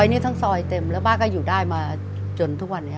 อดีตแล้วป่าก็อยู่ได้มาจนทุกวันเนี่ย